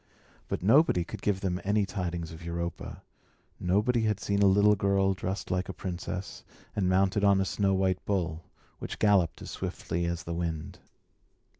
But nobody could give them any tidings of Europa; nobody had seen a little girl dressed like a princess, and mounted on a snow white bull, which galloped as swiftly as the wind.